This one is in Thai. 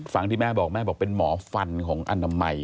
ที่แม่บอกแม่บอกเป็นหมอฟันของอนามัย